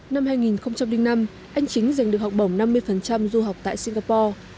năm hai nghìn năm anh chính giành được học bổng năm mươi du học tại singapore